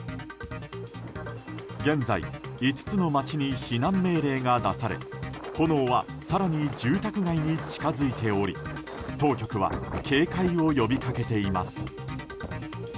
現在、５つの町に避難命令が出され炎は更に住宅街に近づいており当局は警戒を呼びかけています。